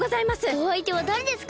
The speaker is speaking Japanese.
おあいてはだれですか？